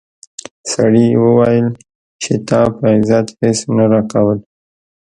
سړي وویل چې تا په عزت هیڅ نه راکول.